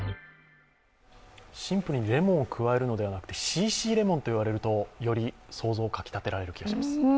シンプルにレモンを加えるのではなくてＣ．Ｃ．レモンと言われるとより想像をかき立てられる気がします。